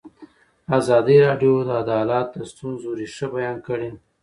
ازادي راډیو د عدالت د ستونزو رېښه بیان کړې.